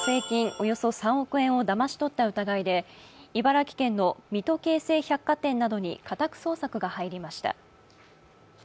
およそ３億円をだまし取った疑いで茨城県の水戸京成百貨店などに家宅捜索が入りました。